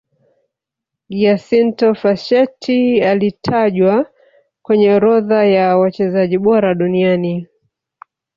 giacinto facchetti alitajwa kwenye orodha ya wachezaji bora duniani